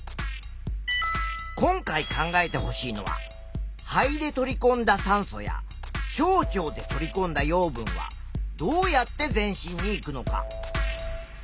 今回考えてほしいのは「肺で取りこんだ酸素や小腸で取りこんだ養分はどうやって全身にいくのか」。